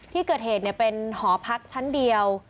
ที่เกิดเหตุเป็นหอพักชั้นเดียว